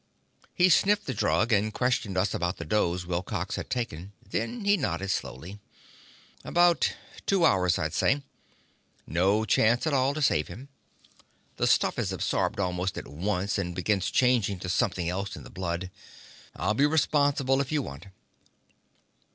He sniffed the drug, and questioned us about the dose Wilcox had taken. Then he nodded slowly. "About two hours, I'd say. No chance at all to save him. The stuff is absorbed almost at once and begins changing to something else in the blood. I'll be responsible, if you want."